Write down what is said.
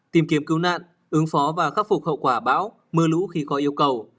tìm kiếm cứu nạn ứng phó và khắc phục hậu quả bão mưa lũ khi có yêu cầu